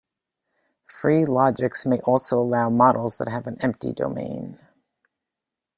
Free logics may also allow models that have an empty domain.